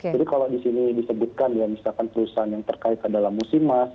jadi kalau di sini disebutkan ya misalkan perusahaan yang terkait adalah musimas